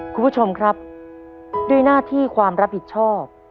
คุณผู้ชมครับด้วยหน้าที่ความรับผิดชอบ